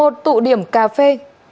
một tụ điểm cà phê